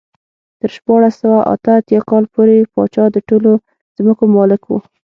تر شپاړس سوه اته اتیا کال پورې پاچا د ټولو ځمکو مالک و.